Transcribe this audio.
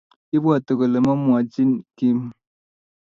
Kibwooti kole mamwochini Kim?